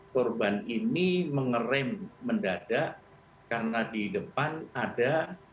korban ini mengerem mendadak karena di depan ada